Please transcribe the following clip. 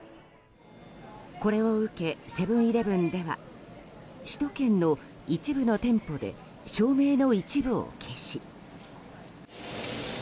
これを受けセブン‐イレブンでは首都圏の一部の店舗で照明の一部を消し。